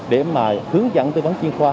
để hướng dẫn tư vấn chương khoa